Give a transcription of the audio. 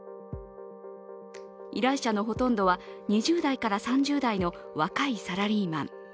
依頼者のほとんどは、２０代から３０代の若いサラリーマン。